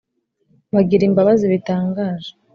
bagira imbabazi bitangaje.